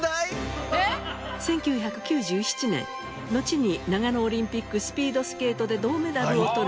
１９９７年のちに長野オリンピックスピードスケートで銅メダルを取る